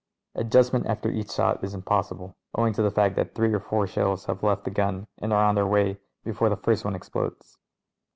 Adjustment after each shot is impossible owing to the fact that three or four shells have left the gun and are on their way before the first one ex plodes.